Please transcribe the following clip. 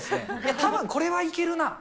たぶん、これはいけるな。